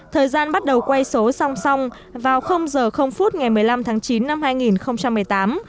thời gian bắt đầu quay số song song vào h ngày một mươi năm tháng chín năm hai nghìn một mươi tám